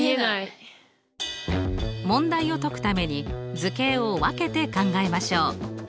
問題を解くために図形を分けて考えましょう。